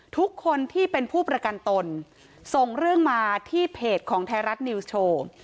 ทุกคนที่เป็นผู้ประกันตนส่งเรื่องมาที่เพจของไทยรัฐนิวส์โชว์